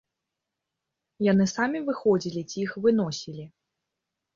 Яны самі выходзілі ці іх выносілі?